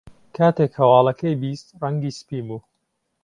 کاتێک هەواڵەکەی بیست، ڕەنگی سپی بوو.